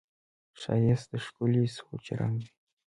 ښایست د ښکلي سوچ رنګ دی